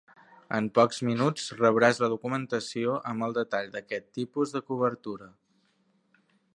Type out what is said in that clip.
En pocs minuts rebràs la documentació amb el detall d'aquest tipus de cobertura.